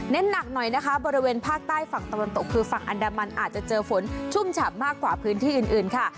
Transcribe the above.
หนักหน่อยนะคะบริเวณภาคใต้ฝั่งตะวันตกคือฝั่งอันดามันอาจจะเจอฝนชุ่มฉ่ำมากกว่าพื้นที่อื่นค่ะ